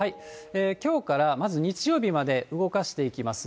きょうからまず日曜日まで動かしていきます。